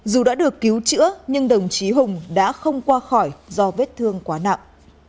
dù đã được cứu chữa nhưng đồng chí hùng đã không qua khỏi do vết thương quá nặng